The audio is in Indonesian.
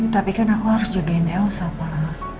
tapi kan aku harus jagain elsa maaf